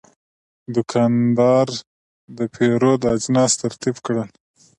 دا دوکاندار د پیرود اجناس ترتیب کړل.